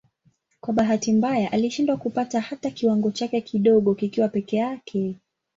Kwa bahati mbaya alishindwa kupata hata kiwango chake kidogo kikiwa peke yake.